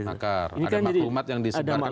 makar ada maklumat yang disebarkan